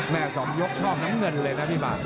แม่สองยกชอบน้ำเงินเลยนะพี่บาง